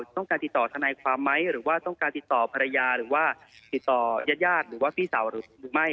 ต้องการติดต่อทนายความไหมหรือว่าต้องการติดต่อภรรยาหรือว่าติดต่อยาดหรือว่าพี่สาวหรือไม่